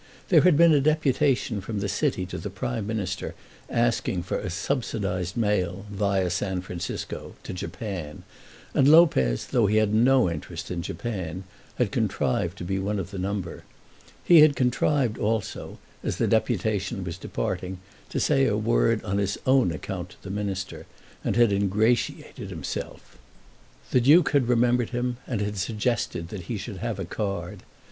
There had been a deputation from the City to the Prime Minister asking for a subsidised mail, via San Francisco, to Japan, and Lopez, though he had no interest in Japan, had contrived to be one of the number. He had contrived also, as the deputation was departing, to say a word on his own account to the Minister, and had ingratiated himself. The Duke had remembered him, and had suggested that he should have a card.